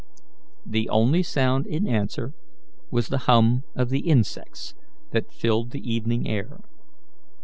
The only sound in answer was the hum of the insects that filled the evening air.